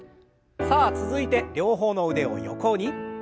さあ続いて両方の腕を横に。